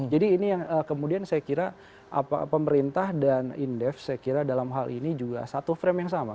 jadi ini yang kemudian saya kira pemerintah dan indef saya kira dalam hal ini juga satu frame yang sama